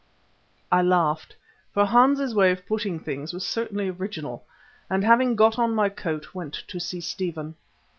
I laughed, for Hans's way of putting things was certainly original, and having got on my coat, went to see Stephen.